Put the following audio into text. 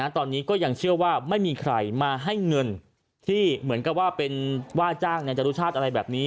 ตอนนี้ก็ยังเชื่อว่าไม่มีใครมาให้เงินที่จ้างจรุชาติอะไรแบบนี้